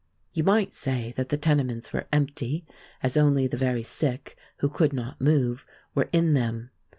You might say that the tenements were empty, as only the very sick, who could not move, were in them.